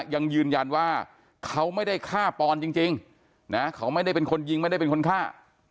ยังยืนยันว่าเขาไม่ได้ฆ่าปอนจริงนะเขาไม่ได้เป็นคนยิงไม่ได้เป็นคนฆ่า